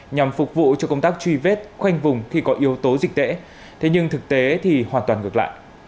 nhằm phục vụ cho công tác truy vết khoanh vùng khi có yếu tố dịch tễ thế nhưng thực tế thì hoàn toàn ngược lại